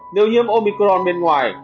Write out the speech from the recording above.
nếu nhiễm omicron bên ngoài